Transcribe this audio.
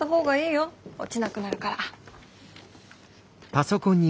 落ちなくなるから。